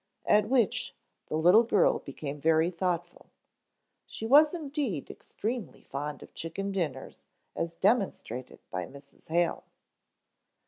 At which the little girl became very thoughtful. She was indeed extremely fond of chicken dinners as demonstrated by Mrs. Hale.